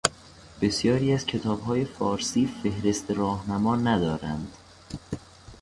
بسیاری از کتابهای فارسی فهرست راهنما ندارند.